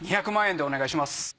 ２００万円でお願いします。